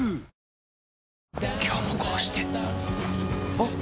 ・あっ！！